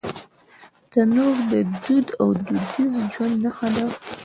تنور د دود او دودیز ژوند نښه ده